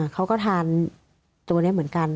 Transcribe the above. เขาก็ทานตัวนี้เหมือนกัน